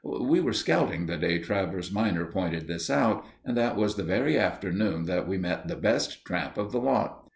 We were scouting the day Travers minor pointed this out, and that was the very afternoon that we met the best tramp of the lot.